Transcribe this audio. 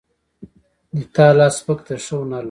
د تا لاس سپک ده ښه هنر لري